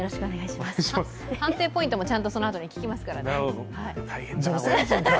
判定ポイントもちゃんと、そのあとに聞きますからね。